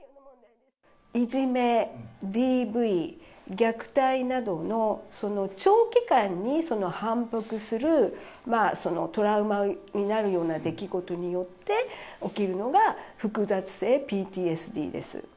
いじめ、ＤＶ、虐待などのその長期間に反復するトラウマになるような出来事によって起きるのが複雑性ＰＴＳＤです。